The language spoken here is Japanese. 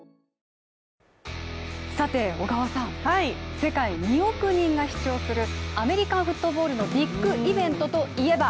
世界２億人が視聴するアメリカンフットボールのビッグイベントといえば？